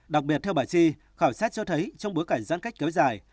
đặc biệt theo bà chi khảo sát cho thấy trong bối cảnh giãn cách kéo dài